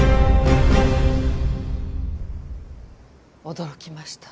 驚きました。